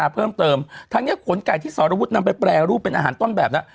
เพิ่มเติมทั้งนี้ขนไก่ที่สรวุฒินำไปแปรรูปเป็นอาหารต้นแบบนะ